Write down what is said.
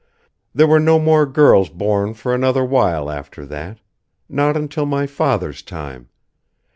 There were no more girls born for another while after that. Not until my father's time.